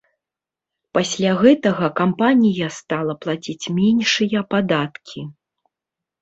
Пасля гэтага кампанія стала плаціць меншыя падаткі.